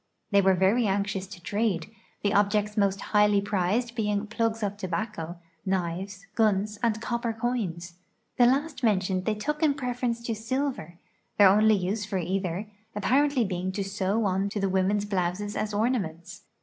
They were very anxious to trade, the objects mo.st highly prized being plugs of tobacco, knives, guns, and copper c(jins. The last men tioned they took in preference to silver, their only use for either apparently l)eing to sew on to the women's blouses as ornaments.